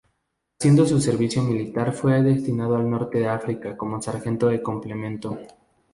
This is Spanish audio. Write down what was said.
Haciendo su servicio militar fue destinado al norte de África como sargento de complemento.